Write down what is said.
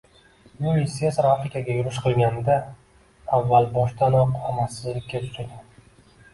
Yuliy Sezar Afrikaga yurish qilganida, avval boshdanoq omadsizlikka uchragan